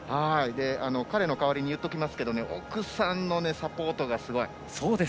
彼の代わりに言っときますけど奥さんのサポートがすごい。